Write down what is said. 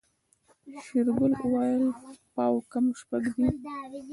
شېرګل وويل پاو کم شپږ دي.